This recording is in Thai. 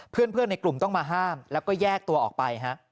เพื่อนในกลุ่มต้องมาห้ามแล้วก็แยกตัวออกไปฮะ